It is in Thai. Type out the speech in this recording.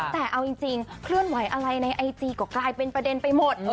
แต่เอาจริงเคลื่อนไหวอะไรในไอจีก็กลายเป็นประเด็นไปหมด